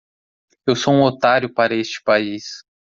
Eu sou um otário para este país.